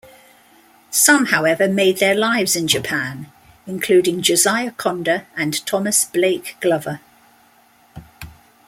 Some, however, made their lives in Japan, including Josiah Conder and Thomas Blake Glover.